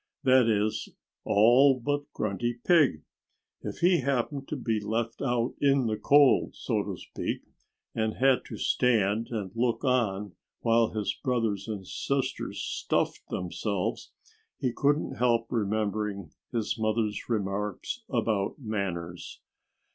That is, all but Grunty Pig! If he happened to be left out in the cold, so to speak, and had to stand and look on while his brothers and sister stuffed themselves, he couldn't help remembering his mother's remarks about manners.